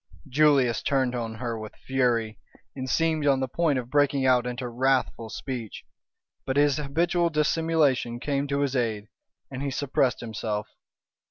Julius turned on her with fury, and seemed on the point of breaking out into wrathful speech. But his habitual dissimulation came to his aid, and he suppressed himself.